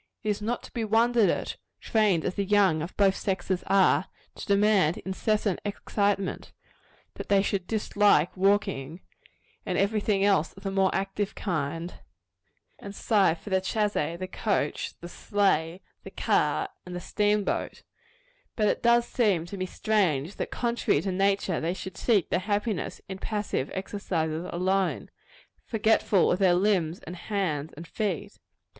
It is not to be wondered at trained as the young of both sexes are, to demand incessant excitement that they should dislike walking, and every thing else of the more active kind, and sigh for the chaise, the coach, the sleigh, the car and the steamboat; but it does seem to me strange, that contrary to nature, they should seek their happiness in passive exercises alone, forgetful of their limbs, and hands, and feet.